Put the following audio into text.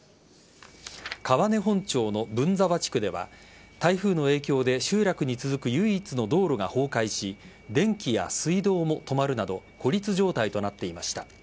川根本町の文沢地区では台風の影響で集落に続く唯一の道路が崩壊し電気や水道も止まるなど孤立状態となっていました。